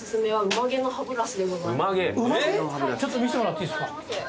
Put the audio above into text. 馬毛⁉ちょっと見せてもらっていいですか。